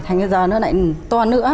thành ra giờ nó lại to nữa